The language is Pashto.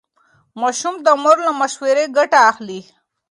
ماشوم د مور له مشورې ګټه اخلي.